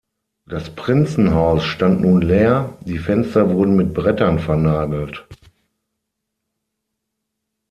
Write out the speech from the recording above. Das Prinzenhaus stand nun leer, die Fenster wurden mit Brettern vernagelt.